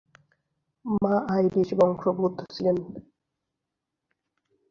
মা আইরিশ বংশোদ্ভূত ছিলেন।